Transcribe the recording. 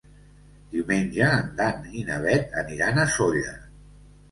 Diumenge en Dan i na Bet aniran a Sóller.